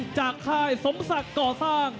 จากค่ายสมสักก่อสร้าง